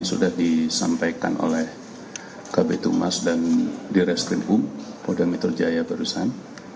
sudah disampaikan oleh kb tumas dan direktur krimkum poda metro jaya perusahaan